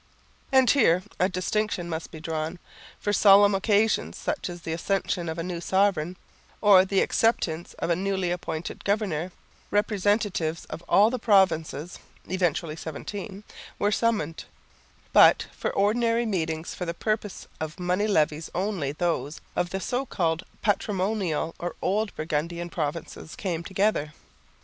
And here a distinction must be drawn. For solemn occasions, such as the accession of a new sovereign, or the acceptance of a newly appointed governor, representatives of all the provinces (eventually seventeen) were summoned, but for ordinary meetings for the purpose of money levies only those of the so called patrimonial or old Burgundian provinces came together.